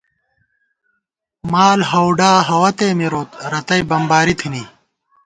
مال ہوڈا ہوَتے مِروت ، رتئ بَمباری تھنی